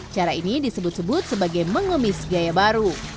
cara ini disebut sebut sebagai mengemis gaya baru